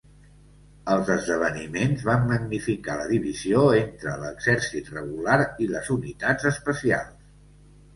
Els esdeveniments van magnificar la divisió entre l'exèrcit regular i les unitats especials.